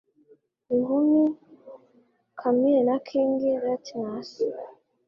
n'inkumi Camille na King Latinus